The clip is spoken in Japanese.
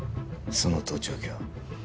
その盗聴器は？